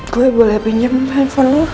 gue boleh pinjam handphone lo